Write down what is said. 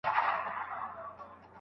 شاګرد هره ورځ په خپل کار بوخت وي.